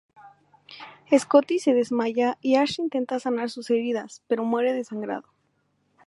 Scotty se desmaya y Ash intenta sanar sus heridas, pero muere desangrado.